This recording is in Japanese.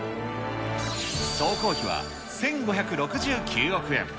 総工費は１５６９億円。